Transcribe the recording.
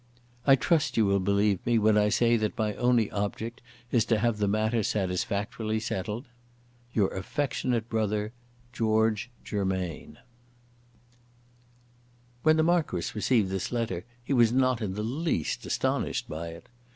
"I trust you will believe me when I say that my only object is to have the matter satisfactorily settled. "Your affectionate brother, "GEORGE GERMAIN." When the Marquis received this letter he was not in the least astonished by it.